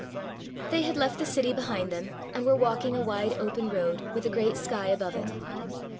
They had left the city behind them, and were walking a wide open road, with a great sky above it.